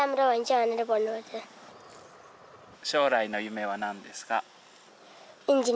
将来の夢は何ですか？